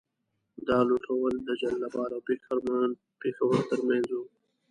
دا لوټول د جلال اباد او پېښور تر منځ وو.